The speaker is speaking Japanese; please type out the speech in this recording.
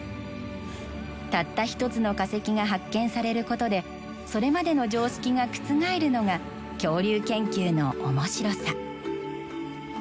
たった一つの化石が発見されることでそれまでの常識が覆るのが恐竜研究の面白さ。